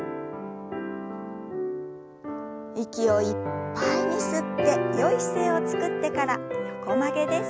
息をいっぱいに吸ってよい姿勢をつくってから横曲げです。